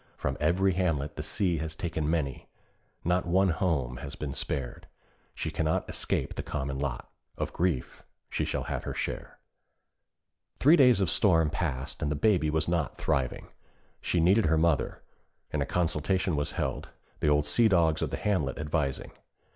From every hamlet the sea has taken many; not one home has been spared. She cannot escape the common lot; of grief she shall have her share. Three days of storm passed and the Baby was not thriving. She needed her mother, and a consultation was held, the old sea dogs of the hamlet advising.